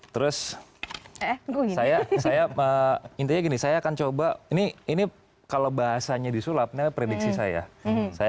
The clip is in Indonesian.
terus saya saya intinya gini saya akan coba ini ini kalau bahasanya disulapnya prediksi saya saya